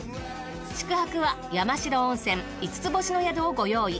宿泊は山代温泉５つ星の宿をご用意。